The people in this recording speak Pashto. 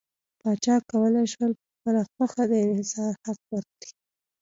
پاچا کولای شول په خپله خوښه د انحصار حق ورکړي.